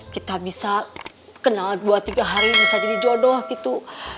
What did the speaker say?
kita bisa kenal dua tiga hari bisa jadi jodoh gitu